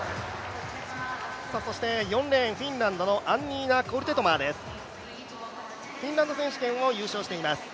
そして、４レーンフィンランドのアンニーナ・コルテトマーフィンランド選手権を優勝しています。